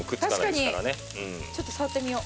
ちょっと触ってみよう。